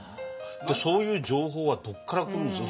そういう情報はどこから来るんですか？